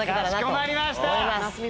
かしこまりました！